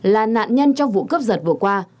là nạn nhân trong vụ cướp giật vừa qua